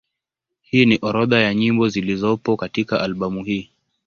Hii ni orodha ya nyimbo zilizopo katika albamu hii.